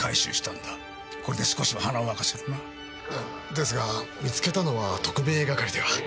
ですが見つけたのは特命係では。